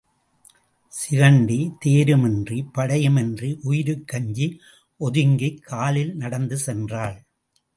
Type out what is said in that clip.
சிகண்டி தேரும் இன்றிப்படையும் இன்றி உயிருக்கு அஞ்சி ஒதுங்கிக் காலில் நடந்து சென்றாள்.